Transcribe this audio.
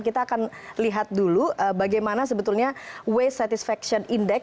kita akan lihat dulu bagaimana sebetulnya waste satisfaction index